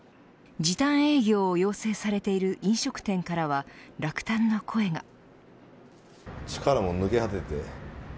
時短営業を要請されている飲食店からは落胆の声が。